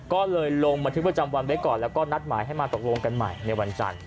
ก็เลยลงบันทึกประจำวันไว้ก่อนแล้วก็นัดหมายให้มาตกลงกันใหม่ในวันจันทร์